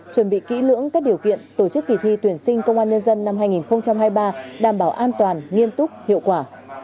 chuẩn bị kỹ lưỡng các điều kiện tổ chức kỳ thi tuyển sinh công an nhân dân năm hai nghìn hai mươi ba đảm bảo an toàn nghiêm túc hiệu quả